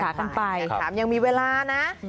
อยากถามยังมีเวลานะ